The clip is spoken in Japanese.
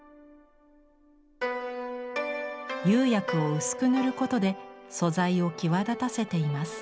釉薬を薄く塗ることで素材を際立たせています。